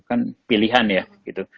kan pilihan ya gitu